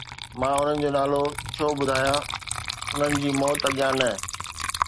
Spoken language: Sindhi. مان انهن جو نالو ڇو ٻڌايان، انهن جي موت اڳيان نه؟